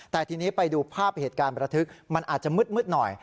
แต่ทีนี้ไปดูภาพเหตุการณ์ประทึกมันอาจจะมืดหน่อย